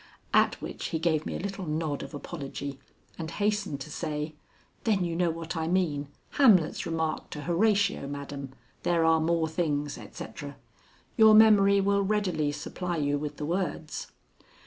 At which he gave me a little nod of apology and hastened to say: "Then you know what I mean Hamlet's remark to Horatio, madam, 'There are more things,' etc. Your memory will readily supply you with the words."